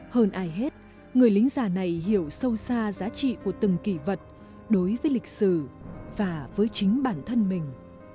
hơn ai hết người lính già này hiểu sâu xa giá trị của từng kỳ vật đối với lịch sử và với chính bản thân mình